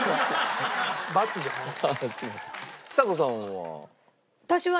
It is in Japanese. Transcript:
ちさ子さんは？